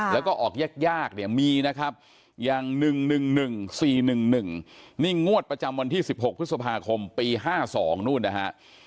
แล้วก็ออกยากเนี่ยมีนะครับอย่าง๑๑๑๔๑๑นี่งวดประจำวันที่๑๖พฤษภาคมปี๕๒นู่นนะฮะ